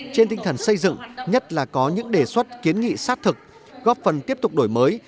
trên tinh thần xây dựng nhất là có những đề xuất kiến nghị sát thực góp phần tiếp tục đổi mới